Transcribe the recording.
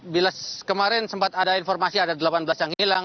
bila kemarin sempat ada informasi ada delapan belas yang hilang